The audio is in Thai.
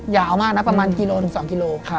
ยาวมากนะประมาณกิโลถึง๒กิโล